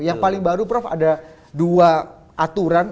yang paling baru prof ada dua aturan